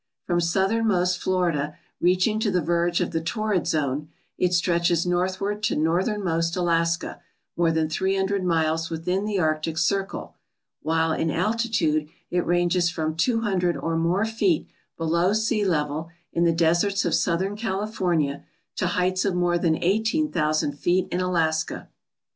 From southernmost Florida, reaching to the verge of the torrid zone, it stretches northward to northernmost Alaska, more than 300 miles within the Arctic circle, while in altitude it ranges from 200 or more feet below sea level in the deserts of southern Cali fornia to heights of more than 18,000 feet in Alaska.